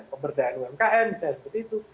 pemberdayaan umkm misalnya seperti itu